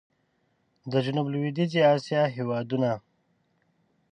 د جنوب لوېدیځي اسیا هېوادونه